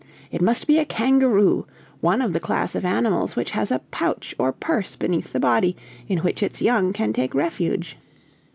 It must be a kangaroo, one of the class of animals which has a pouch or purse beneath the body, in which its young can take refuge.